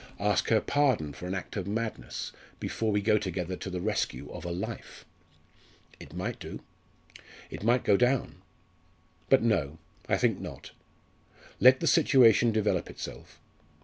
ask her pardon for an act of madness before we go together to the rescue of a life? It might do it might go down. But no, I think not! Let the situation develop itself.